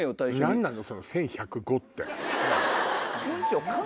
何なの？